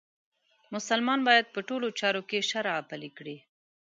مسلمان باید په ټولو چارو کې شرعه پلې کړي.